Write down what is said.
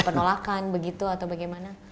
penolakan begitu atau bagaimana